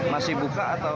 masih buka atau